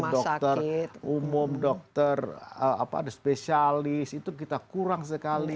dokter umum dokter ada spesialis itu kita kurang sekali